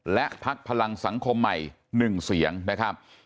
และพักพลังสังคมใหม่๑เสียงนะครับ